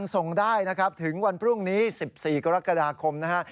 ส่งได้นะครับถึงวันพรุ่งนี้๑๔กรกฎาคมนะฮะ